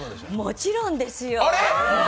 もちろんですよ！